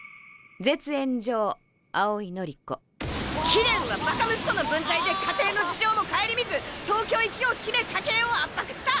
貴殿はバカ息子の分際で家庭の事情も顧みず東京行きを決め家計を圧迫した。